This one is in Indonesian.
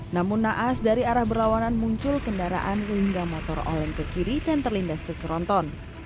namun naas dari arah berlawanan muncul kendaraan sehingga motor oleng ke kiri dan terlindas truk tronton